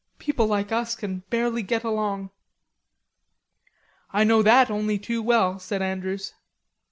Poor people like us can barely get along." "I know that only too well," said Andrews.